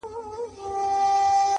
ستا په زلفو کي اثیر را سره خاندي,